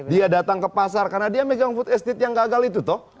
dia datang ke pasar karena dia megang food estate yang gagal itu toh